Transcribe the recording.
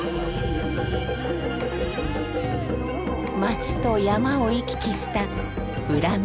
街と山を行き来したうら道